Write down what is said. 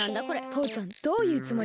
とうちゃんどういうつもり？